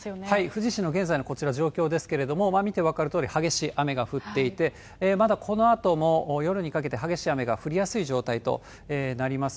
富士市の現在のこちら状況ですけれども、見て分かるとおり、激しい雨が降っていて、まだこのあとも、夜にかけて激しい雨が降りやすい状態となります。